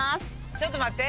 ちょっと待って。